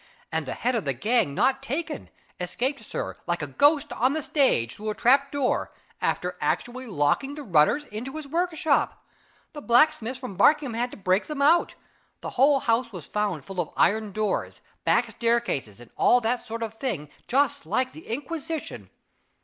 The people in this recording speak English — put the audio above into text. And the head of the gang not taken! escaped, sir, like a ghost on the stage, through a trap door, after actually locking the runners into his workshop. The blacksmiths from Barkingham had to break them out; the whole house was found full of iron doors, back staircases, and all that sort of thing, just like the Inquisition.